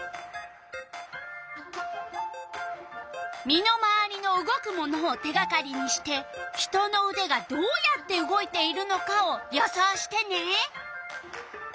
身の回りの動くものを手がかりにして人のうでがどうやって動いているのかを予想してね！